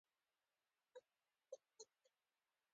پښتو ژبه د ټولو پښتنو په زړه کې ځانګړی ځای لري.